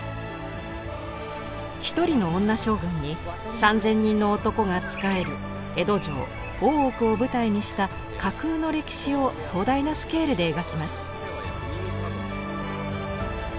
１人の女将軍に３，０００人の男が仕える江戸城・大奥を舞台にした架空の歴史を壮大なスケールで描きます。